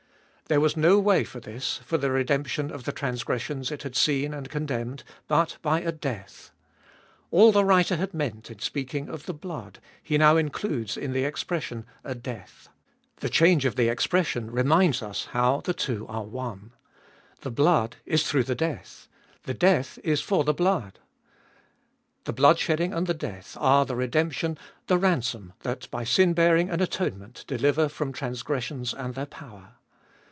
There was no way for this, for the redemption of the transgressions it had seen and condemned, but by a death. All the writer had meant in speaking of the blood, he now includes in the expression, a death. The change of the expression reminds us how the two are one. The blood is through the death ; the death is for the blood. The blood shedding and the death are the redemption, the ransom, that by sin bearing and atonement deliver from transgressions and their power.